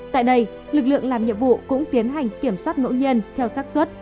tại đây lực lượng làm nhiệm vụ cũng tiến hành kiểm soát ngẫu nhiên theo sắc xuất